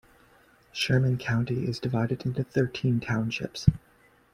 Sherman County is divided into thirteen townships.